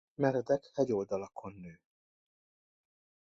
Meredek hegyoldalakon nő.